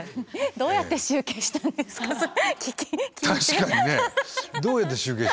どうやって集計したんだろう。